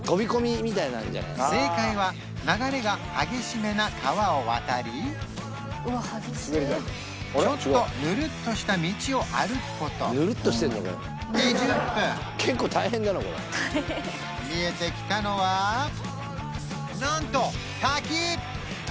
正解は流れが激しめな川を渡りちょっとヌルッとした道を歩くこと２０分見えてきたのはなんと滝！